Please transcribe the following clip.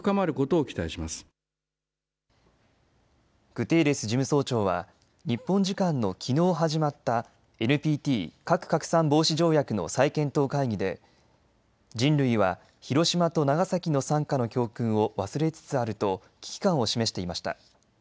グテーレス事務総長は日本時間のきのう始まったＮＰＴ・核拡散防止条約の再検討会議で人類は広島と長崎の惨禍の教訓を忘れつつあると危機感を示していました。